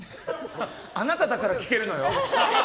あなただから聞けるのよ？